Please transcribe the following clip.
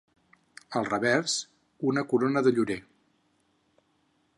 Al revers, una corona de llorer.